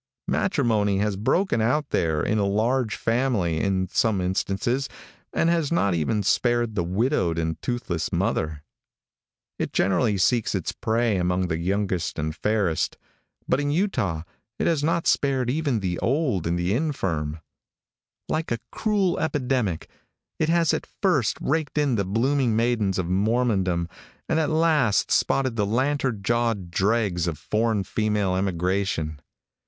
Matrimony has broken out there in a large family in some instances, and has not even spared the widowed and toothless mother. It generally seeks its prey among the youngest and fairest, but in Utah it has not spared even the old and the infirm. Like a cruel epidemic, it has at first raked in the blooming maidens of Mormondom and at last spotted the lantern jawed dregs of foreign female emigration.